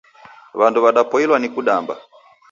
Wandu wadapoilwa ni kudamba